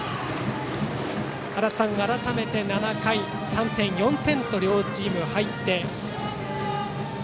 足達さん、改めて７回に３点、４点と両チーム、入って。